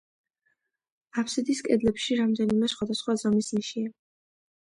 აფსიდის კედლებში რამდენიმე სხვადასხვა ზომის ნიშია.